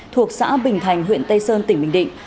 thuộc xã bình thành huyện tây sơn tỉnh bình định